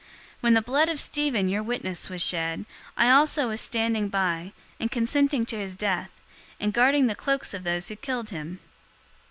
022:020 When the blood of Stephen, your witness, was shed, I also was standing by, and consenting to his death, and guarding the cloaks of those who killed him.'